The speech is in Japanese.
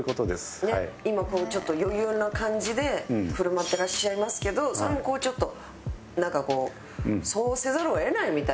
今ちょっと余裕の感じで振る舞ってらっしゃいますけどそれもちょっとなんかこうそうせざるを得ないみたいな。